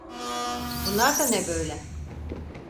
Bunlar da ne böyle?